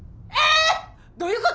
どういうこと！？